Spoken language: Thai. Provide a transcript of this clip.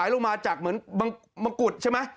ลงมาจากเหมือนมะกุฎใช่ไหม